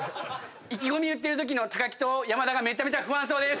意気込み言ってるときの木と山田が不安そうです。